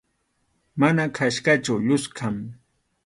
Mana qhachqachu, lluskʼam.